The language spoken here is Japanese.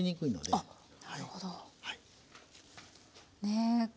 あっなるほど。ね。